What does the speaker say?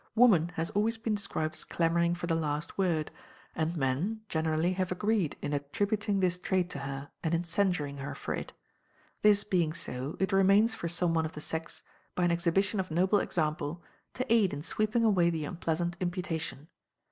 Woman has always been described as clamouring for the last word, and men, generally, have agreed in attributing this trait to her, and in censuring her for it. This being so it remains for some one of the sex, by an exhibition of noble example, to aid in sweeping away the unpleasant imputation.